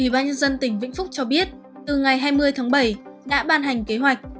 ubnd tỉnh vĩnh phúc cho biết từ ngày hai mươi tháng bảy đã ban hành kế hoạch